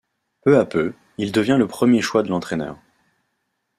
Peu à peu, il devient le premier choix de l'entraîneur.